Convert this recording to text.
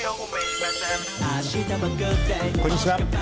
こんにちは。